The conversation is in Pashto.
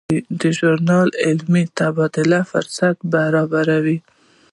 دا ژورنال د علمي تبادلې فرصت برابروي.